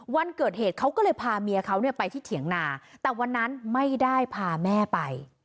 วันเกิดเหตุเขาก็เลยพาเมียเขาเนี่ยไปที่เถียงนาแต่วันนั้นไม่ได้พาแม่ไป